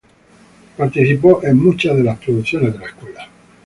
Participó en muchas de las producciones de la escuela.